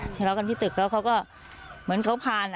ทะเลาะกันที่ตึกแล้วเขาก็เหมือนเขาผ่าน